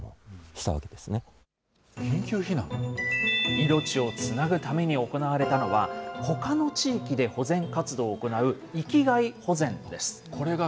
命をつなぐために行われたのは、ほかの地域で保全活動を行う域外保全です。